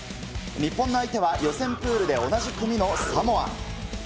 日本の相手は予選プールで同じ組のサモア。